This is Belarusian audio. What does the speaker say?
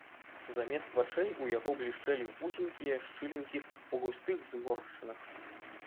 Замест вачэй у яго блішчэлі вузенькія шчылінкі ў густых зморшчынах.